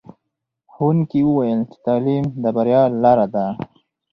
ښوونکي وویل چې تعلیم د بریا لاره ده.